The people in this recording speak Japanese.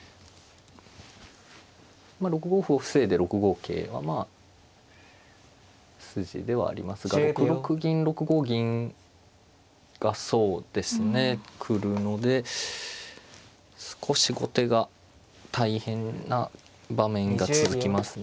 ６五歩を防いで６五桂はまあ筋ではありますが６六銀６五銀がそうですね来るので少し後手が大変な場面が続きますね